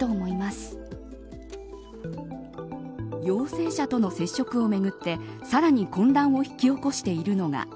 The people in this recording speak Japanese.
陽性者との接触をめぐってさらに混乱を引き起こしているのが。